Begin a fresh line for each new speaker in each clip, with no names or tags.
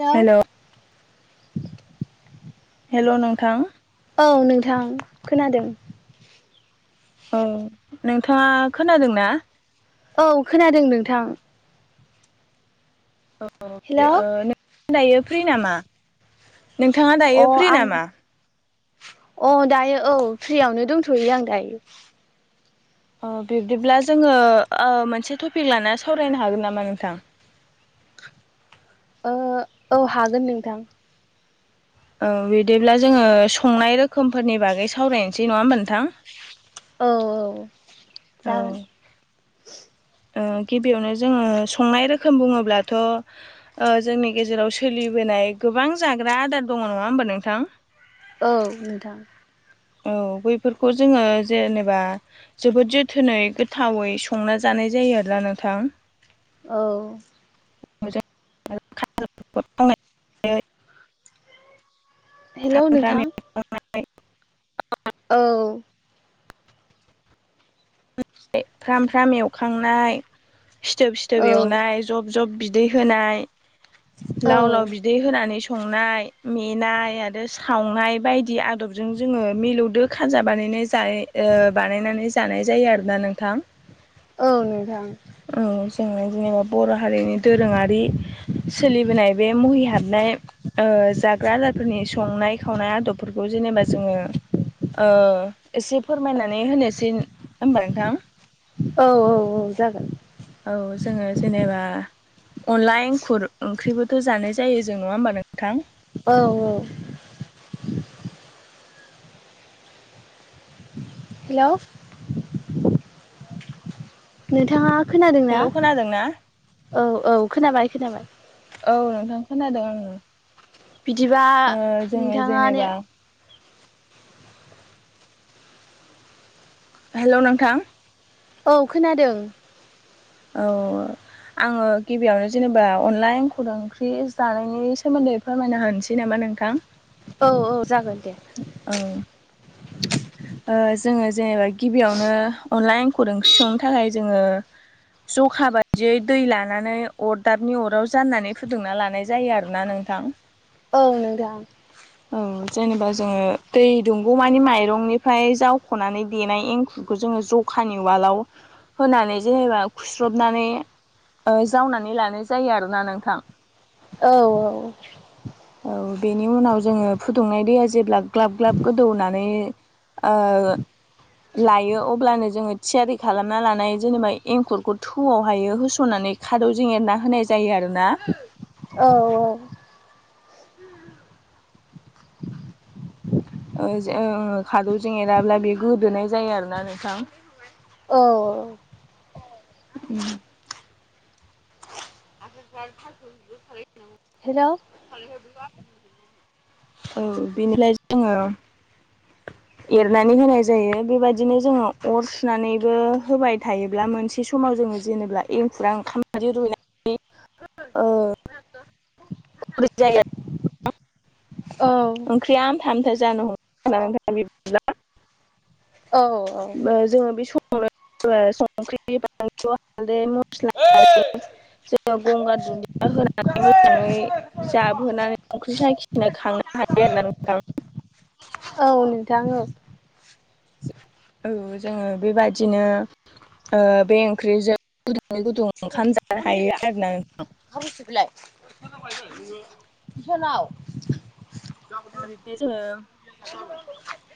हेल'
hello नोंथां।
औ नोंथां खोनादों।
औ नोंथाङा खोनादोंना?
औ खोनादों नोंथां। हेलौ
नोंथाङा दायो फ्रि नामा? नोंथाङा
अ
दायो फ्रि
आं
नामा?
अ दायो औ फ्रियानो दंथ'यो आं दायो।
अ बिब्दिब्ला जोङो ओ मोनसे टपिक लाना सावरायनो हागोन नामा नोंथां?
ओ औ हागोन नोंथां।
औ बिदिब्ला जोङो संनाय रोखोमफोरनि बागै सावरायनोसै नङा होमबा नोंथां?
औ औ। जागोन
औ।
[unintelligible]
ओ गिबियावनो जोङो संनाय रोखोम बुङोब्लाथ' ओ जोंनि गेजेराव सोलिबो नाय गोबां जाग्रा आदार दङ नङा होमबा नोंथां।
औ नोंथां।
औ बैफोरखौ जोङो जेनेबा जोबोद जोथोनै गोथावै संना जानो। जानाय जायो आरोना नोंथां।
औ
[unintelligible]
हेल'
फ्राम
नोंथां।
एवनाय [unintelligible]
औ
फ्राम फ्राम एवखांनाय सिथोब सिथोब
औ
एवनाय जब जब बिदै होनाय
औ
लाव लाव बिदै होनानै संनाय मेनाय आरो सावनाय बायदि आदबजों जोङो मिलौदो खाजा बानाय बानायनानै जानाय जायो आरो। नोंथां
औ नोंथां
जों जेनेबा बर' हारिनि दोरोङारि सोलिबोनाय बे मुहि हाबनाय जाग्रा आदारफोरनि संनाय खावनाय आदब फोरखौ जेनेबा जोङो एसे फोरमायनानै होनोसै। हमबा नोंथां।
औ औ औ जागोन।
औ जोङो जेनेबा अनला एंखुर ओंख्रिबोथ' जानाय जायो जों नङा होमबा नोंथां?
औ औ हेल' नोंथाङा खोनादोंना
हेल' खोनादोंना
औ औ खोनाबाय खोनाबाय।
औ नोंथां खोनादों आङो।
बिदिबा
ओ जोङो
नोंथाङानो।
जेनेबा हेल' नोंथां।
औ खोनादों।
औ आङो गिबियावनो जेनेबा अनला एंखुर ओंख्रि जानायनि सोमोन्दै फोरमायनो होनसै नामा? नोंथां
औ औ जागोन दे।
औ जोङो जेनेबा गिबियावनो अनला एंखुर ओंख्रि संनो थाखाय जोङो। जखा बायदियै दै लानानै अरदाबनि अराव जाननानै फुदुंना लानाय जायो आरोना नों। नोंथां
औ नोंथां।
औ जेनेबा जोङो दै दुंगौ मानि माइरंनिफ्राय जावख'नानै देनाय एंखुर बेखौ जोङो जखानि उवालाव होनानै जेनेबा खुस्रबनानै। जावनानै लानाय जायो आरोना नोंथां।
औ औ
औ बेनि उनाव जोङो फुदुंनाय दैया जेब्ला ग्लाब ग्लाब गोदौनानै। [inaudible] लायो अब्लानो जोङो थियारि खालामना लानाय जेनेबा एंखुरखौ थौआवहायो होस'नानै। माने खादौजों एरना होनाय जायो आरो ना।
औ औ
खादौजों एराब्ला बे गोदोनाय जायो आरोना नोंथां।
औ
उ
हेल'
[unintelligible] औ बिनिफ्राय जोङो एरनानै होनाय जायो बेबायदिनो जोङो अर सुनानैबो होबाय थायोब्ला मोनसे समाव जों जोङो जेनेबा एंखुरा ओंखाम बादि रुइनाय [unintelligible]
औ
ओंख्रिया आमथा आमथा जानो हमोना नोंथां बिदिब्ला।
औ औ।
[unintelligible] संख्रि बानलु हालदै मस्ला आरो जोङो गंगार दुुनदिया होनानै मोजाङै जाबहोनानै संख्रि साखिनो खाङो हायो आरोना नोंथां।
औ नोंथां औ।
औ जोङो बेबादिनो ओ बे ओंख्रिजों गुदुङै गुदुं ओंखाम जानो हायो आरोना नोंथां।
[inaudible]
ओ बिबदि जोङो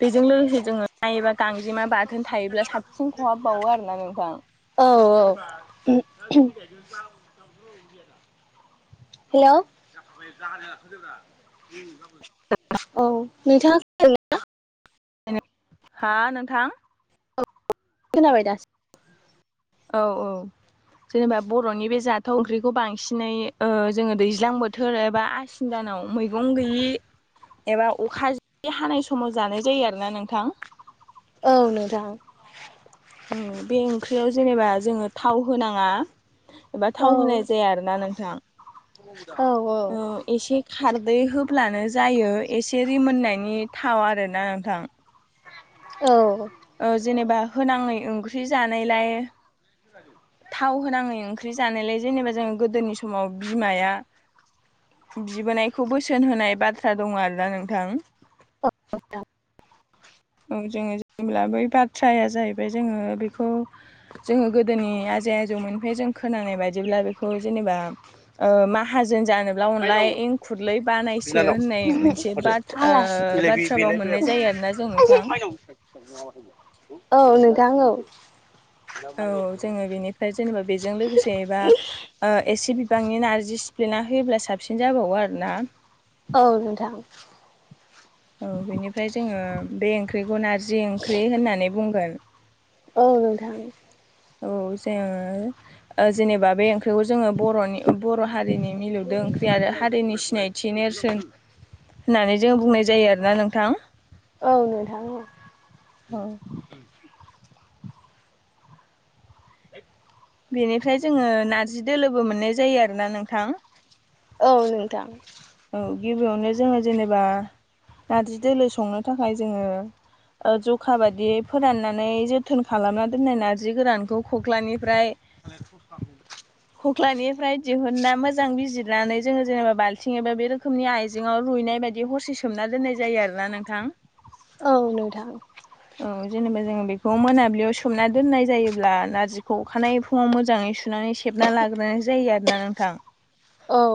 बेजों लोगोसे जोङो नायोबा गांजेमा बाथोन थायोब्ला साबसिन खहाबबावो आरोना नोंथां।
औ औ। हेल'? औ नोंथाङा [unintelligible]
हा नोंथां?
खोनाबाय दासो।
औ औ। जेनेबा बर'नि बे जाथाव ओंख्रिखौ बांसिनै ओ जोङो दैज्लां बोथोर एबा आसिन दान आव मैगं गैयि एबा अखा जि हानाय समाव जानाय जायो आरोना नोंथां।
औ नोंथां।
औ बे ओंख्रियाव जेनेबा जोङो थाव होनाङा एबा थाव होनाय जाया आरोना नोंथां।
औ
ओ एसे खार दै होब्लानो जायो एसे रिमोननायनि थाव आरोना नोंथां।
औ।
ओ जेनेबा होनाङै ओंख्रि जानायलाय
[inaudible]
थाव होनाङै ओंख्रि जानायलाय जेनेबा जों गोदोनि समाव बिमाइया बिबोनायखौ बोसोन होनाय बाथ्रा दङ आरोना नोंथां।
[unintelligible]
औ जोङो जेब्ला बै बाथ्राया जाहैबाय जोङो बेखौ जोङो गोदोनि आजै आजैनिफ्राय जों खोनानाय बादिबा बेखौ जेनेबा ओ माहाजोन जानो अनला एंखुरलै बानायसो होननाय मोनसे बा
आलासि
ओ बाथ्रा फाव मोननाय जायो आरो। ना जों नोथां।
औ नोंथां औ।
औ जोङो बेनिफ्राय जेनेबा बेजों लोगोसे बा ओ एसे बिबांनि नारजि सिप्लेना होयोब्ला साबसिन जाबावो आरोना।
औ नोंथां।
औ बेनिफ्राय जोङो बे ओंख्रिखौ नारजि ओंख्रि होननानै बुंगोन।
औ नोंथां।
औ जोङो जेनेबा बे ओंख्रि खौ जोङो बर'नि बर' हारिनि मिलौदों ओंख्रि आरो हारिनि सिनायथि नेरसोन होननानै जों बुंनाय जायो आरोना नोंथां।
औ नोंथां औ।
औ बेनिफ्राय जोङो नारजि दोलोबो मोननाय जायो आरोना नोंथां?
औ नोंथां।
औ गिबियावनो जोङो जेनेबा नारजि दोलो संनो थाखाय जोङो ओ जखा बादायै फोराननानै जोथोन खालामना दोननाय नारजि गोरानखौ खख्लानिफ्राय खख्लानिफ्राय दिहुनना मोजां बिजिरनानै जोङो जेनेबा बाल थिं एबा बे रोखोमनि आइजेंआव रुइनाय बायदि हरसे सोमना दोननाय जायो आरोना नोंथां।
औ नोंथां।
औ जेनेबा जोङो बेखौ मोनाबिलियाव सोमना दोननाय जायोब्ला नारजिखौ अखानाय फुङाव मोजाङै सुनानै खेबना लाग्रोनाय जायो आरोना नोंथां।
औ।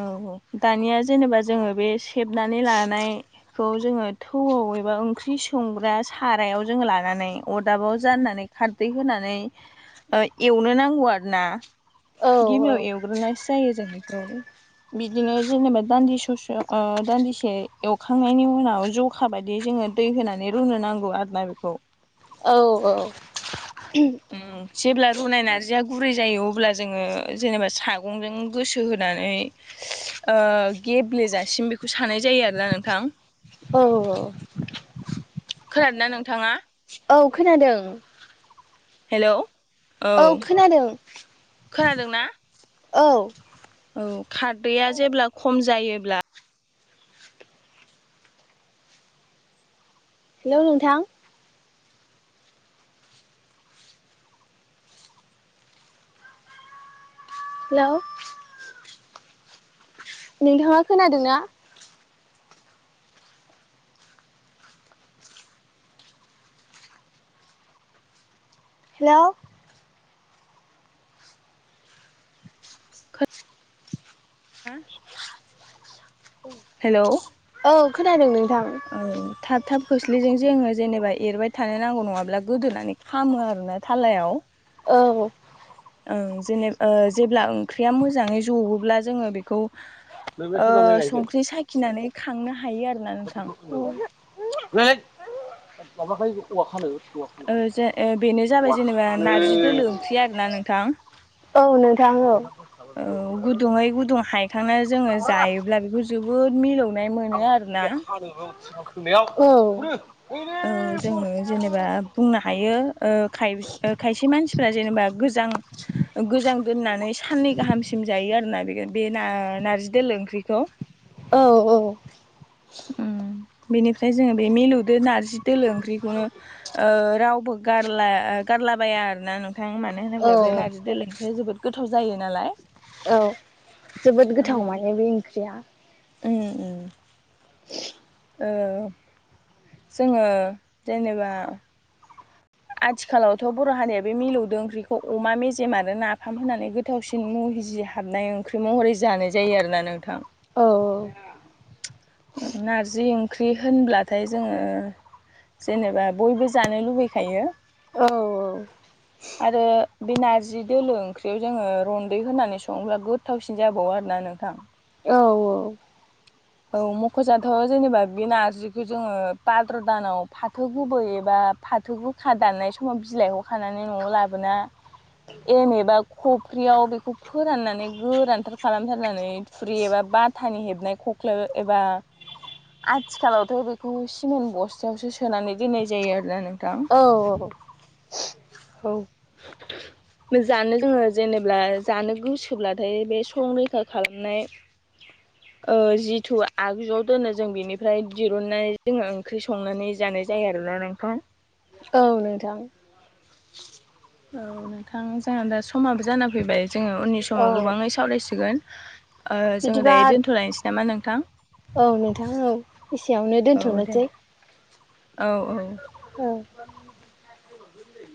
औ औ दानिया जेनेबा जोङो बे सेबनानै लानायखौ जोङो थौआव बबेबा ओंख्रि संग्रा सारायाव जोंङ लानानै अरदाबाव जाननानै खारदै होनानै ओ एवनो नांगौ आरो ना। गिबियाव एवग्रोनायसो जायो जों बेखौ बिदिनो जेनेबा दान्दि ससे दान्दिसे एवखांनायनि उनाव जौखा बायदि बि जोङो दै होनानै रुनो नांगौ आरो ना बेखौ
औ औ।
उम जेब्ला रुनाय नारजिया गुरै जायो अब्ला जोङो जेनेबा सागंजों गोसो होनानै ओ गेब्लेजासिम बेखौ सानाय जायो आरोना नोंथां।
औ औ।
खोनादोंना नोंथाङा?
औ खोनादों।
हेल' औ खोनादों ना?
औ।
औ खारदैया जेब्ला खम जायोब्ला
हेल' नोंथां। हेल'। नोंथाङा खोनादोंना? हेल'।
हा। हेल'।
औ खोनादों नोंथां।
औ थाब थाब खोस्लिजों जोङो जेनेबा एरबाय थानो नांगौ नङाब्ला गोदोनानै खामो आरोना थालायाव।
औ।
ओं जेनेब जेब्ला ओंख्रिया मोजाङै जबोब्ला जोङो बेखौ ओ संख्रि साखिनानै खांनो हायो आरोना नोंथां।
[unintelligible]
ओ जे बेनो जाबाय जेनेबा नारजि दोलो ओंख्रि आरोना नोंथां।
औ नोंथां औ
औ गुदुङै गुदुं हायखांना जोङो जायोब्ला बेखौ जोब जोबोद मिलौनाय मोनो आरो ना।
औ।
औ जोङो जेनेबा बुंनो हायोाय खायसे मानसिफ्रा जेनेबा गो मोजां गोजां दोननानै साननै गाहामसिम जायो आरोना बे बे नाय नारजि दोलो ओंख्रिखौ
औ औ।
उम बेनिफ्राय जोङो बे मिलुदो नारजि दोलो ओंख्रिखौनो ओ रावबो गारला गारलाबाया आरो दोना नोंथां मानो
औ
होनोब्ला बे नारजि दोलो ओंख्रिया जोबोद गोथाव जायो नालाय
औ जोबोद
औ
गोथाव माने बे ओंख्रिया
उम उम।
[unintelligible] [unintelligible]
ओ जोङो जेनेबा आथिखालावथ' बर' हारिया बे मिलौदो ओंख्रिखौ अमा मेजेम आरो नाफाम होनानै गोथावसिन मुं जि हाबनाय ओंख्रि महरै जानाय जायो आरोोना नोंथां।
औ।
नारजि ओंख्रि होनब्लाथाय जोङो जेनेबा बयबो जानो लुबैखायो।
औ औ
आरो बे नारजि दोलो ओंख्रियाव जोङो रन्दै होनानै सङोब्ला गोथावसिन जाबावो आरोना नोंथां
औ औ
औ मख'जाथ' जेनेबा बे नारजिखौ जोङो भाद्र दानाव फाथो गोबोै एबा बा फाथोगोखा दाननाय समाव बिलाइखौ खानानै न'आव लाबोना एवनाय बा खफ्रियाव बेखौ फोराननानै गोरानथार खालामथार होननानै थुरि एबा बाथानि हेबनाय खख्ला एबा आथिखालावथ' बेखौ सिमेन्ट बस्थायावसो सोनानै दोननाय जायो आरोना नों
औ औ
[inaudible] [unintelligible] जानो लोङो जेनेबा जानो गोसोब्लाथाय बे संरैखा खालामनाय ओ जिथु आगजुआव दोनो जों बिनिफ्राय दिरुननाय जोङो ओंख्रि संनानै जानाय जायो आरो ना नोंथां
औ नोथां
औ नोंथां मोजाङानो दा समाबो जाना फैबाय जोङो उननि
औ
समाव गोबाङै सावरायसिगोन ओ जोङो
बिदिबा
दायो दोन्थ'लायनोसै नामा नोंथां
औ नोंथां औ एसेयावनो
औ दे
दोनथ'नोसै
औ औ
औ [inaudible] [unintelligible]